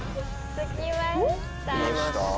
着きました。